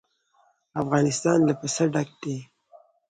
افغانستان له پسه ډک دی.